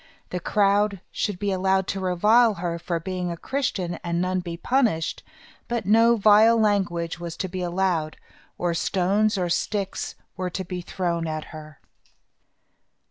The crowd should be allowed to revile her for being a Christian and none be punished; but no vile language was to be allowed, or stones or sticks were to be thrown at her.